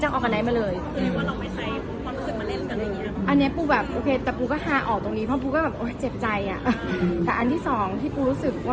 อันนี้พูดจริงแบบถ้าจะเมคทั้งทีน่ะ